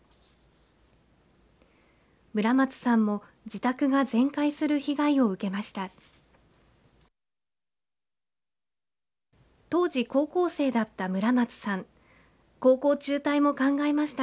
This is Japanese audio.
村松さんも自宅が全壊する被害を受けました。